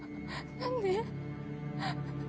何で？